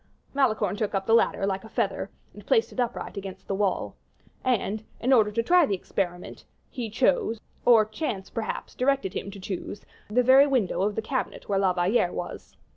Malicorne took up the ladder, like a feather, and placed it upright against the wall. And, in order to try the experiment, he chose, or chance, perhaps, directed him to choose, the very window of the cabinet where La Valliere was.